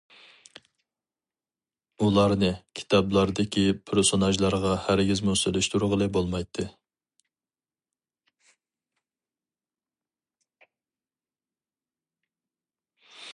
ئۇلارنى كىتابلاردىكى پېرسوناژلارغا ھەرگىزمۇ سېلىشتۇرغىلى بولمايتتى.